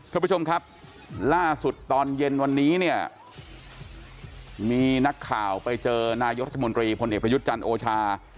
ท่านผู้ชมครับล่าสุดตอนเย็นวันนี้เนี่ยมีนักข่าวไปเจอนายกรัฐมนตรีพลเอกประยุทธ์จันทร์โอชา